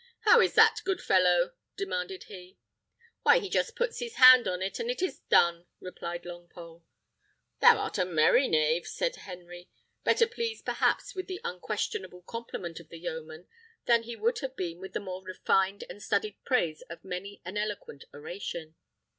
"How is that, good fellow?" demanded he. "Why, he just puts his hand on it, and it is done," replied Longpole. "Thou art a merry knave," said Henry, better pleased perhaps with the unquestionable compliment of the yeoman than he would have been with the more refined and studied praise of many an eloquent oration.